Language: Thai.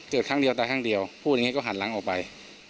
ครั้งเดียวตายครั้งเดียวพูดอย่างนี้ก็หันหลังออกไป